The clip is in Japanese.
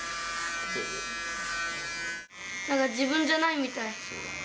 なんか自分じゃないみたい。